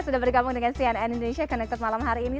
sudah bergabung dengan cnn indonesia connected malam hari ini